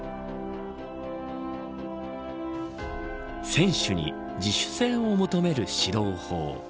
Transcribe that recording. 選手に自主性を求める指導法。